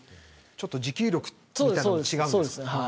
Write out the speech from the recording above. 持久力みたいなのが違うんですね。